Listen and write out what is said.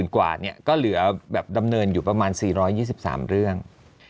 กว่าก็เหลือแบบดำเนินอยู่ประมาณ๔๒๓เรื่อง